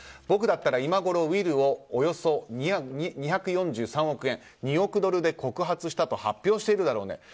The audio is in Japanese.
僕だったら今ごろウィルをおよそ２４３億円２億ドルで告発したと発表しているだろうね。